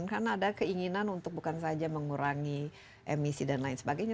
karena ada keinginan untuk bukan saja mengurangi emisi dan lain sebagainya